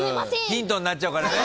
ヒントになっちゃうからね。